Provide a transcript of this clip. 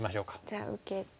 じゃあ受けて。